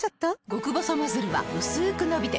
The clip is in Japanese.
極細ノズルはうすく伸びて